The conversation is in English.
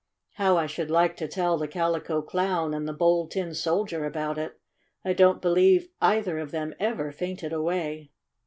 How I should like to tell the Calico Clown and the Bold Tin Soldier about it. I don't believe either of them ever fainted away."